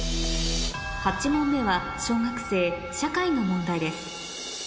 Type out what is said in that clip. ８問目は小学生社会の問題です